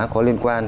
có liên quan